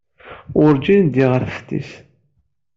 Werǧin ddiɣ ɣer teftist.